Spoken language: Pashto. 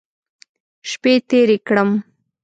شپې تېرې کړم.